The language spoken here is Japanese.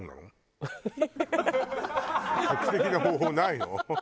画期的な方法ないの？